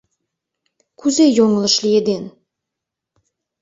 Кузе йоҥылыш лиеден?